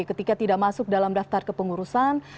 ketika tidak masuk dalam daftar kepengurusan